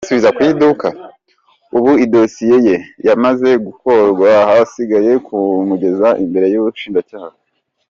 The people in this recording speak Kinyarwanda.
Ubu idosiye ye yamaze gukorwa hasigaye kumugeza imbere y’ubushinjacyaha.